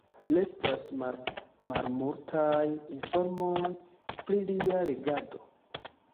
Restas malmultaj informoj pri lia regado.